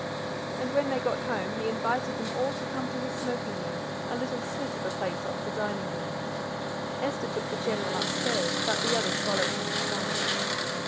And when they got home he invited them all to come into his smoking room, a little slit of a place off the dining room. Esther took the General upstairs, but the others followed him in silence.